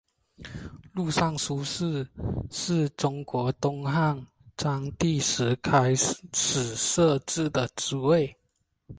录尚书事是中国东汉章帝时开始设置的职位。